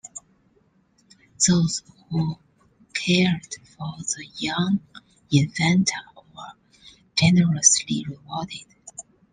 Those who cared for the young infanta were generously rewarded.